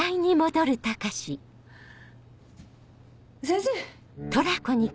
先生。